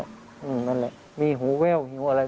นั่นแหละมีหูแว่วหิวอะไร